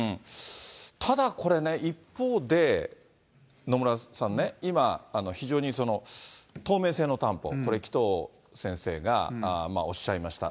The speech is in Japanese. ただこれね、一方で、野村さんね、今、非常にその透明性の担保、これ、紀藤先生がおっしゃいました。